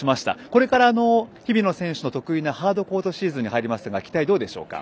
これから、日比野選手の得意なハードコートシーズン入りますが、期待どうでしょうか。